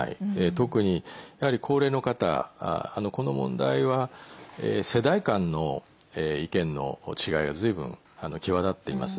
特に、やはり高齢の方この問題は世代間の意見の違いがずいぶん際立っています。